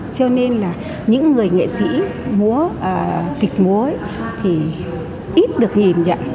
cho nên là những người nghệ sĩ múa kịch múa thì ít được nhìn nhận